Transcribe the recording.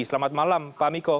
selamat malam pak miko